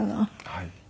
はい。